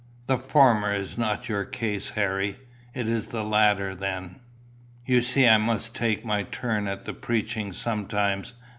The former is not your case, Harry: is the latter, then? You see I must take my turn at the preaching sometimes.